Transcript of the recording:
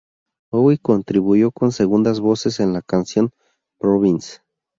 Bowie contribuyó con segundas voces en la canción "Province".